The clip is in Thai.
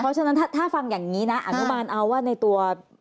เพราะฉะนั้นถ้าฟังอย่างนี้นะอนุมานเอาว่าในตัว